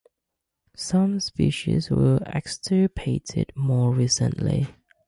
Some species were extirpated more recently.